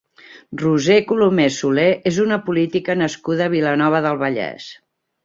Roser Colomé Soler és una política nascuda a Vilanova del Vallès.